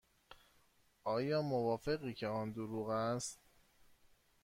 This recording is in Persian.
آیا موافقی که آن دروغ است؟